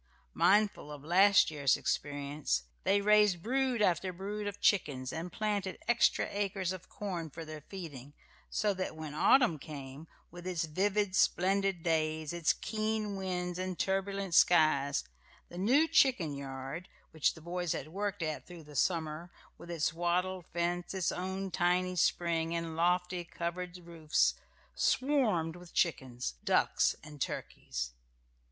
Mindful of last year's experience, they raised brood after brood of chickens, and planted extra acres of corn for their feeding, so that when autumn came, with its vivid, splendid days, its keen winds and turbulent skies, the new chicken yard, which the boys had worked at through the summer, with its wattled fence, its own tiny spring, and lofty covered roofs, swarmed with chickens, ducks, and turkeys.